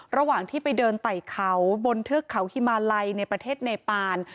ระหว่างที่ไปเดินไต่เขาบนเทือกเขาฮิมาลัยในประเทศเนปาน